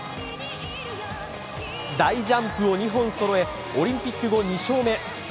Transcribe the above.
大ジャンプを２本そろえ、オリンピック後２勝目。